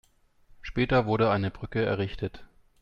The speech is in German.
Später wurde eine Brücke errichtet.